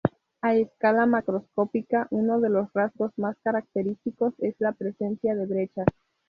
A escala macroscópica, uno de los rasgos más característicos es la presencia de brechas.